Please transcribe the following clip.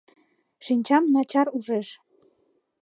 Шинчам начар ужеш...